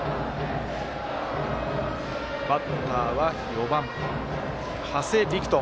バッターは４番、長谷陸翔。